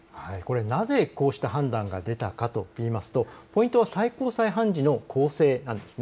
なぜこうした判断が出たかといいますとポイントは最高裁判事の構成なんです。